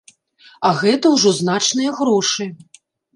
А гэта ўжо значныя грошы.